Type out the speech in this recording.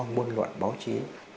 nguồn luận báo chí